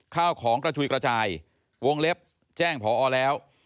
ข้าวของกระจุยกระจายวงเล็บแจ้งพอแล้ว